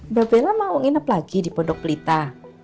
mbak bella mau nginep lagi di pondok pelita